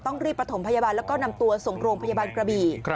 รีบประถมพยาบาลแล้วก็นำตัวส่งโรงพยาบาลกระบี่